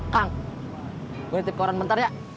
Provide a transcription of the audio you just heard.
kang gue nitip koran bentar ya